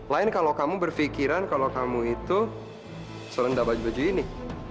lain kalau kamu berpikiran kalau kamu itu serendah baju baju ini